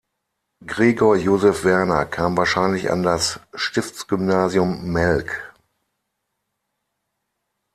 Gregor Joseph Werner kam wahrscheinlich an das Stiftsgymnasium Melk.